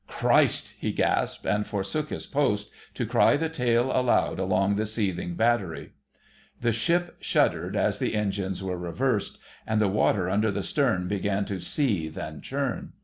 "Christ!" he gasped, and forsook his post, to cry the tale aloud along the seething battery. The ship shuddered as the engines were reversed, and the water under the stern began to seethe and churn.